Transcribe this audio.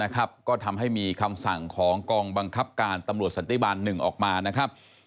ก็ทำให้มีคำสั่งของกองบังคับการตำรวจสันติบาล๑ออกมานะครับ